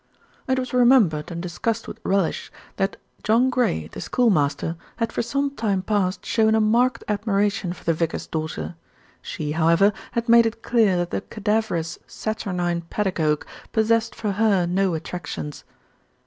It was remembered and discussed with relish that John Gray, the schoolmaster, had for some time past shown a marked admiration for the vicar's daughter. She, however, had made it clear that the cadaverous, saturnine pedagogue possessed for her no attractions.